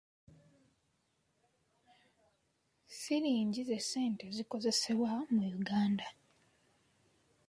Siringi ze ssente ezikozesebwa mu Uganda.